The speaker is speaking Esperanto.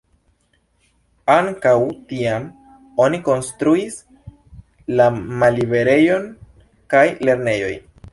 Ankaŭ tiam oni konstruis la Malliberejon kaj Lernejoj.